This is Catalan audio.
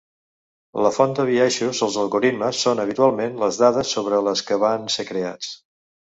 La font de biaixos als algoritmes són habitualment les dades sobre les que van ser creats.